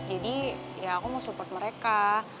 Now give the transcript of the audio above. jadi ya aku mau support mereka